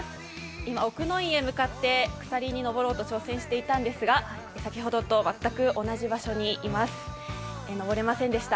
今奥の院へ向かって鎖に登ろうと挑戦していたんですが先ほどと全く場所にいます、登れませんでした。